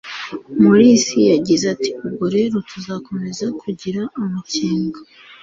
morris yagize ati ubwo rero tuzakomeza kugira amakenga